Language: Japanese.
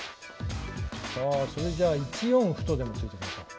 それじゃあ１四歩とでも突いときましょう。